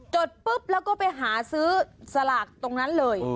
ดปุ๊บแล้วก็ไปหาซื้อสลากตรงนั้นเลย